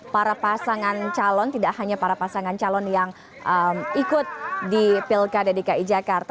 para pasangan calon tidak hanya para pasangan calon yang ikut di pilkada dki jakarta